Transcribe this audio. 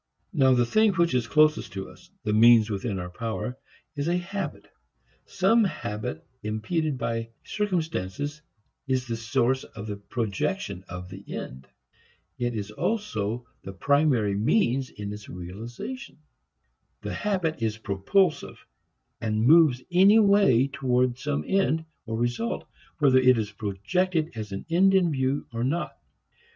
Now the thing which is closest to us, the means within our power, is a habit. Some habit impeded by circumstances is the source of the projection of the end. It is also the primary means in its realization. The habit is propulsive and moves anyway toward some end, or result, whether it is projected as an end in view or not.